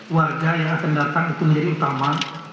warga yang akan datang itu menjadi utama